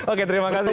oke terima kasih